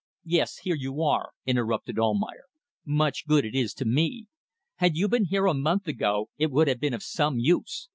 "Yes, here you are," interrupted Almayer. "Much good it is to me. Had you been here a month ago it would have been of some use.